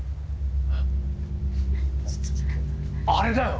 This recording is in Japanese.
あれだよ！